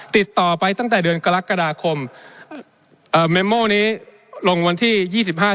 ติดต่อไปตั้งแต่เดือนกรกฎาคมเอ่อเมมโม่นี้ลงวันที่ยี่สิบห้า